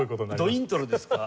どイントロですか。